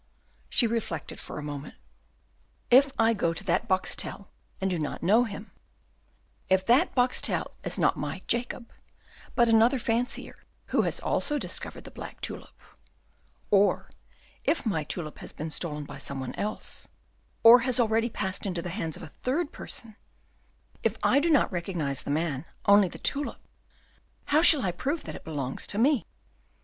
She reflected for a moment. "If I go to that Boxtel, and do not know him; if that Boxtel is not my Jacob, but another fancier, who has also discovered the black tulip; or if my tulip has been stolen by some one else, or has already passed into the hands of a third person; if I do not recognize the man, only the tulip, how shall I prove that it belongs to me?